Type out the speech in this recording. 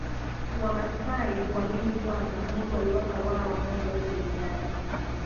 Wamasai huamini kwamba Mungu aliwapa wao ngombe wote duniani